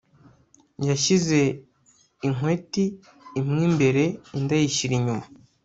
yashyize inkweti imwe imbere, indi ayishira inyuma